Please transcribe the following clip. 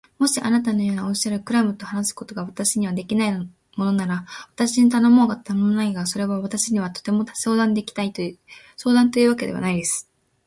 もしあなたのおっしゃるように、クラムと話すことが私にはできないものなら、私に頼もうが頼むまいが、それは私にはとてもできない相談というわけです。